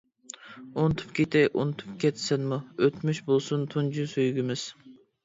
ئۇنتۇپ كېتەي ئۇنتۇپ كەت سەنمۇ، ئۆتمۈش بولسۇن تۇنجى سۆيگۈمىز.